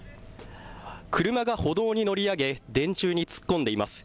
車が歩道に乗り上げ電柱に突っ込んでいます。